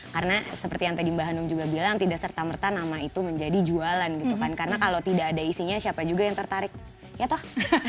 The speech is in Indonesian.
karena seperti yang tadi mbak hanum juga bilang tidak serta merta nama itu menjadi jualan gitu kan karena kalau tidak ada isinya siapa juga yang tertarik ya toh